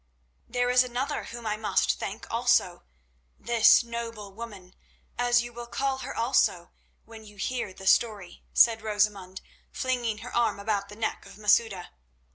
"There is another whom I must thank also, this noble woman, as you will call her also when you hear the story," said Rosamund, flinging her arm about the neck of Masouda.